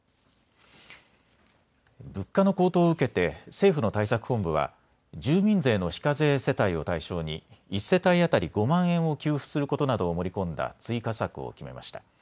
物価の高騰を受けて政府の対策本部は住民税の非課税世帯を対象に１世帯当たり５万円を給付することなどを盛り込んだ追加策を決めました。